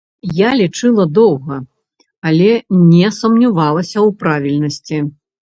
Я лічыла доўга, але не сумнявалася ў правільнасці.